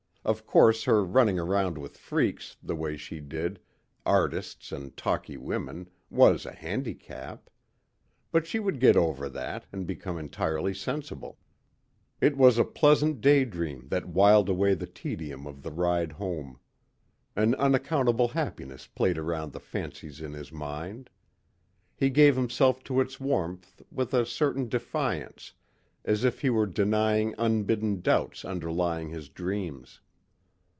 Of course her running around with freaks, the way she did artists and talky women, was a handicap. But she would get over that and become entirely sensible. It was a pleasant day dream that wiled away the tedium of the ride home. An unaccountable happiness played around the fancies in his mind. He gave himself to its warmth with a certain defiance as if he were denying unbidden doubts underlying his dreams.